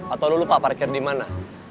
atau lo pak parkir dimana